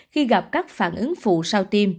khi gặp các phản ứng phụ sau tiêm